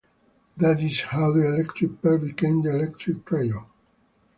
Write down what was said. That is how the electric pair became the electric trio.